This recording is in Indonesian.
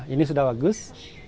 ini sudah bagus